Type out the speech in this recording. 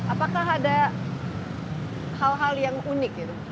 apakah ada hal hal yang unik gitu